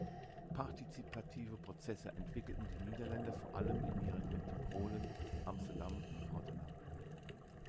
Partizipative Prozesse entwickelten die Niederländer vor allem in ihren Metropolen Amsterdam, Rotterdam.